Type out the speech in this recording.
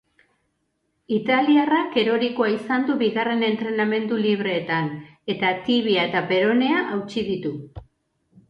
Italiarrak erorikoa izan du bigarren entrenamendu libreetan eta tibia eta peronea hautsi ditu.